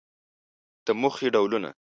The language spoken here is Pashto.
د موخې ډولونه